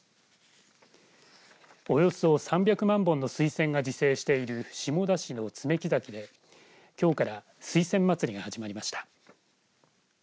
およそ３００万本の水仙が自生している下田市の爪木崎できょうから水仙まつりが始まりました。